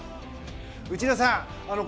内田さん